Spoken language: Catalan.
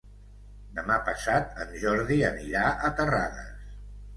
Demà passat en Jordi anirà a Terrades.